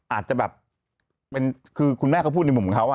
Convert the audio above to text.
อาจจะแบบคือคุณแม่เขาพูดในมุมเขา